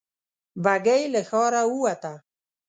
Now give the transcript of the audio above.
بګۍ له ښاره ووته.